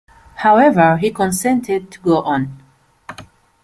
However, he consented to go on.